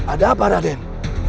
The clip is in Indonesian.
ada apa raden